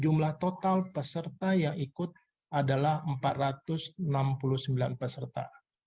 jumlah total peserta yang ikut adalah empat ratus enam puluh sembilan peserta